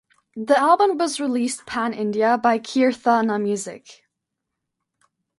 The album was released Pan India by Keerthana music.